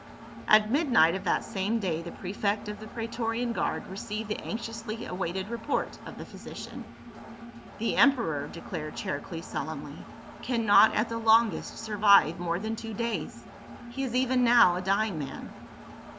At midnight of that same day the prefect of the praetorian guard received the anxiously awaited report of the physician. " The emperor," declared Charicles solemnly, " can not at the longest survive more than two days ; he is even now a dying man."